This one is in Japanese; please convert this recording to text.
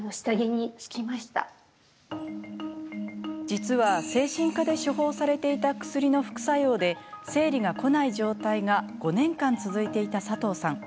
実は精神科で処方されていた薬の副作用で生理がこない状態が５年間続いていた佐藤さん。